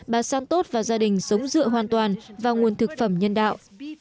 bà santos và gia đình sống dựa hoàn toàn vào nguồn thực phẩm nhân đạo